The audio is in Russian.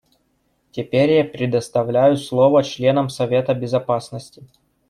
Теперь я предоставляю слово членам Совета Безопасности.